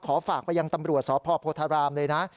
ขอฝากไปยังตำรวจสพโพธารามเลยนะ